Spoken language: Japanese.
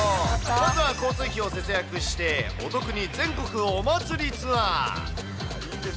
まずは交通費を節約して、お得に全国お祭りツアー。